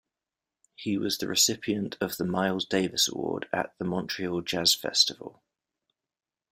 He was the recipient of the Miles Davis Award at the Montreal Jazz Festival.